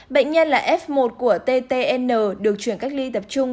bệnh nhân là f một của ttn được chuyển cách ly tập trung